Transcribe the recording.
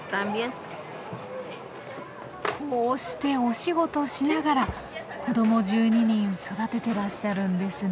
こうしてお仕事しながら子ども１２人育ててらっしゃるんですね。